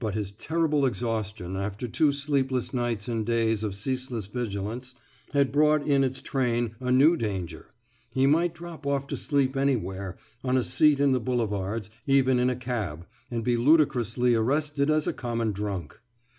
But his terrible exhaustion, after two sleepless nights and days of ceaseless vigilance, had brought in its train a new danger: he might drop off to sleep anywhere, on a seat in the boulevards, even in a cab, and be ludicrously arrested as a common drunk.